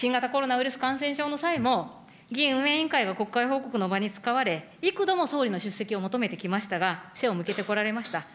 新型コロナウイルス感染症の際も、議院運営委員会が国会報告の場に使われ、幾度も総理の出席を求めてきましたが、求めてきましたが、背を向けてこられました。